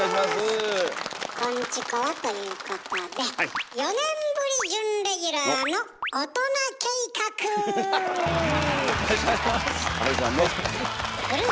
こんチコはということで４年ぶり準レギュラーのよろしくお願いします。